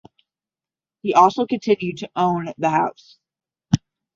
He also continued to own the house.